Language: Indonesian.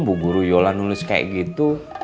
bu guru yola nulis kayak gitu